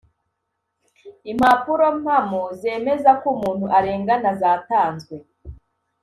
impapuro mpamo zemeza ko umuntu arengana zatanzwe.